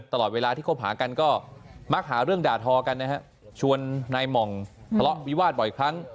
ตลอดเวลาที่คบหากันก็มักหาเรื่องด่าทอกันนะฮะชวนนายหม่องทะเลาะวิวาสบ่อยครั้ง